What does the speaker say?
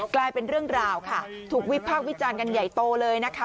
กลายเป็นเรื่องราวค่ะถูกวิพากษ์วิจารณ์กันใหญ่โตเลยนะคะ